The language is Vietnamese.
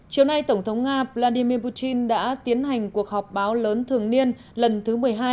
chiều nay tổng thống nga vladimir putin đã tiến hành cuộc họp báo lớn thường niên lần thứ một mươi hai